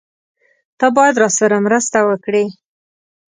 تۀ باید راسره مرسته وکړې!